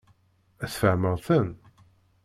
Tfehmeḍ-ten?